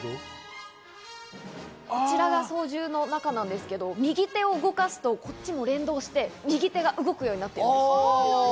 こちらが操縦の中なんですが、右手を動かすと、こちらも連動して右手が動くようになっているんです。